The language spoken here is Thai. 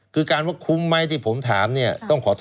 คุณนิวจดไว้หมื่นบาทต่อเดือนมีค่าเสี่ยงให้ด้วย